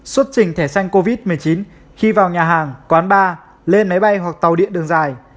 xuất trình thẻ xanh covid một mươi chín khi vào nhà hàng quán bar lên máy bay hoặc tàu điện đường dài